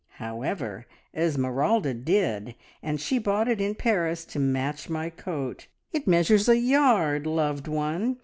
However, Esmeralda did, and she bought it in Paris to match my coat. It measures a yard, loved one!